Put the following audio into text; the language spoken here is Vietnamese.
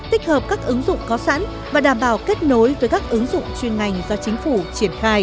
tích hợp các ứng dụng có sẵn và đảm bảo kết nối với các ứng dụng chuyên ngành do chính phủ triển khai